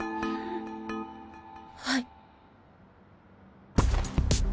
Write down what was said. はい。